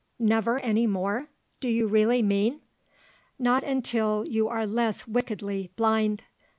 "Never any more, do you really mean?" "Not until you are less wickedly blind."